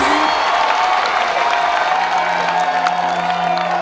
ได้นะ